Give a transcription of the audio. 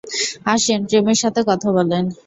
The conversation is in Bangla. আসেন, প্রেমের সাথে কথা বলেন।